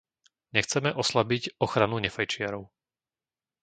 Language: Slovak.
Nechceme oslabiť ochranu nefajčiarov.